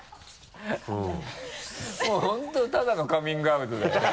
もう本当ただのカミングアウトだよね。